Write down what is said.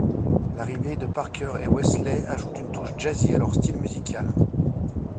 L'arrivée de Parker et Wesley ajoute une touche jazzy à leur style musical.